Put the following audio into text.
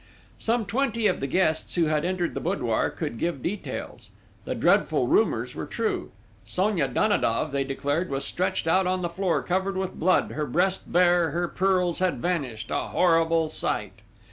Some twenty of the guests who had entered the boudoir could give details. The dreadful rumours were true. Sonia Danidoff, they declared, was stretched out on the floor covered with blood, her breast bare, her pearls had vanished a horrible sight!